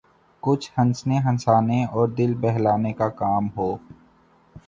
کچھ ہنسنے ہنسانے اور دل بہلانے کا سامان ہو۔